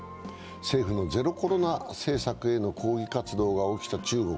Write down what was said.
政府のゼロコロナ政策への抗議活動が起きた中国。